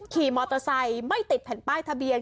ขี่มอเตอร์ไซค์ไม่ติดแผ่นป้ายทะเบียน